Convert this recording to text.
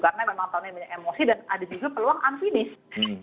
karena memang tahunnya banyak emosi dan ada juga peluang unfinished